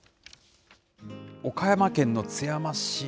岡山県の津山市。